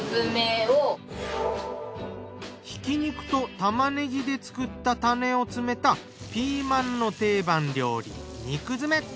ひき肉とタマネギで作ったタネを詰めたピーマンの定番料理肉詰め！